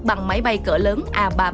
bằng máy bay cỡ lớn a ba trăm ba mươi